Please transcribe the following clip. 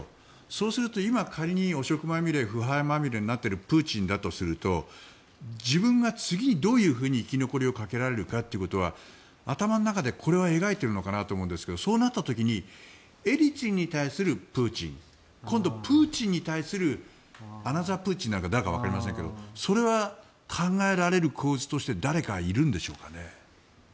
そうすると今、仮に汚職まみれ腐敗まみれになっているプーチンだとすると自分が次にどういうふうに生き残りをかけられるかということは頭の中でこれは描いているのかなと思うんですけどそうなった時にエリツィンに対するプーチン今度、プーチンに対するアナザープーチンなのかわかりませんがそれは考えられる構図として誰かいるんでしょうかね。